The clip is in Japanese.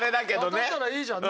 当たったらいいじゃんね。